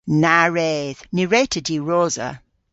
Na wredh! Ny wre'ta diwrosa.